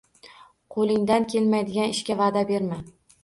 Qo’lingdan kelmaydigan ishga va’da berma.